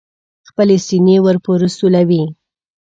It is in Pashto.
خپلې سینې ور پورې سولوي.